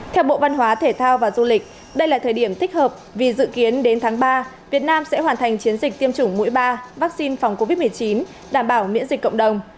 theo bộ văn hóa thể thao và du lịch đây là thời điểm thích hợp vì dự kiến đến tháng ba việt nam sẽ hoàn thành chiến dịch tiêm chủng mũi ba vaccine phòng covid một mươi chín đảm bảo miễn dịch cộng đồng